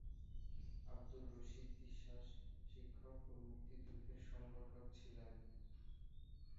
আব্দুর রশীদ বিশ্বাস শিক্ষক ও মুক্তিযুদ্ধের সংগঠক ছিলেন।